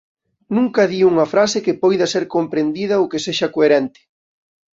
Nunca di unha frase que poida ser comprendida ou que sexa coherente.